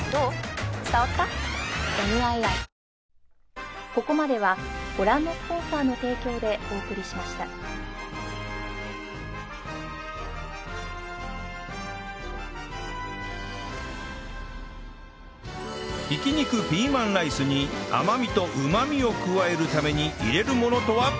選ぶ日がきたらクリナップひき肉ピーマンライスに甘みとうまみを加えるために入れるものとは？